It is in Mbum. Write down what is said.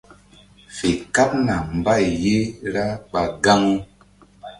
Fe kaɓna mbay ye ra ɓah gaŋu.